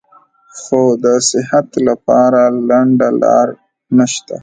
خو د صحت له پاره لنډه لار نشته -